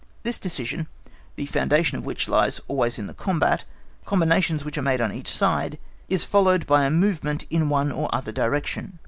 This decision—the foundation of which lies always in the combat—combinations which are made on each side—is followed by a movement in one or other direction.